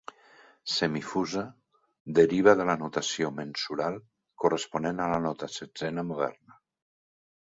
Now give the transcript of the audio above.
"Semifusa" deriva de la notació mensural corresponent a la nota setzena moderna.